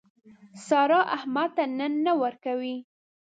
سارا احمد ته تن نه ورکوي.